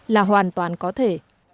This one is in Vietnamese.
là hoàn toàn có thể